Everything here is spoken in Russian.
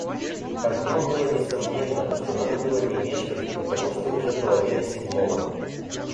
Одно было несомненно, что надо было не мешкать, потому что уже половина седьмого.